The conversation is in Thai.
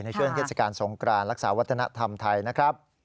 ในเชื่อนเศรษฐการสงกรานรักษาวัฒนธรรมไทยนะครับ